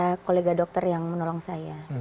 dari para kolega dokter yang menolong saya